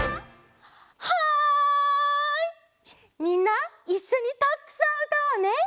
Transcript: みんないっしょにたっくさんうたおうね！